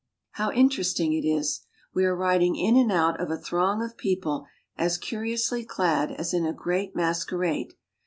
How interesting it is ! We are riding in and out of a throng of people as curiously clad as in a great mas ^erade.